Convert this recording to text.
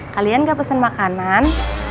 kalian gak pesen makanan